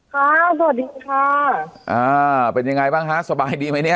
ค่ะสวัสดีค่าเป็นยังไงบ้างครรมครับสบายดีมั้ยนี่